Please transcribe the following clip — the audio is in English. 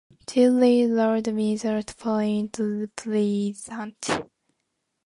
Two railroads meet at Point Pleasant.